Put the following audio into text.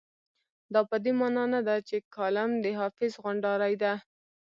دا په دې مانا نه ده چې کالم د حافظ غونډارۍ ده.